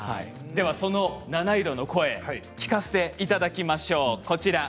その７色の声聞かせていただきましょう。